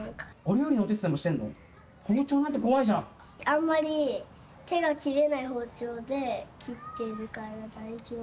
あんまり手が切れない包丁で切っているから大丈夫。